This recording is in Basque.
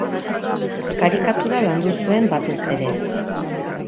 Karikatura landu zuen batez ere.